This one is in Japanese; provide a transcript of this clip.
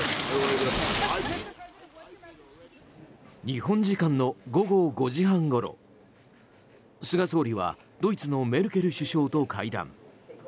日本時間の午後５時半ごろ菅総理はドイツのメルケル首相と会談。